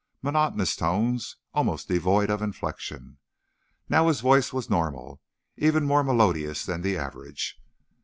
Monotonous tones, almost devoid of inflection. Now, his voice was normal, and even more melodious than the average.